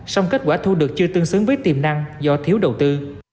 song kết quả thu được chưa tương xứng với tiềm năng do thiếu đầu tư